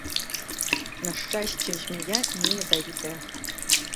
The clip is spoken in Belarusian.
На шчасце, змяя не ядавітая.